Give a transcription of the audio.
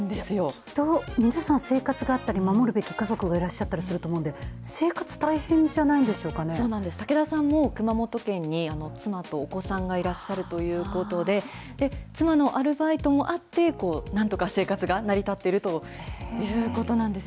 きっと皆さん、生活があったり、守るべき家族がいらっしゃると思いますんで、生活大変じゃないんそうなんです、竹田さんも熊本県に妻とお子さんがいらっしゃるということで、妻のアルバイトもあって、なんとか生活が成り立っているというこ